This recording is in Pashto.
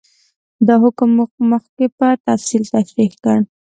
دا حکم موږ مخکې په تفصیل تشرېح کړ.